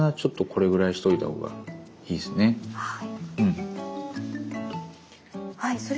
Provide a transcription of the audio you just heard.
はい。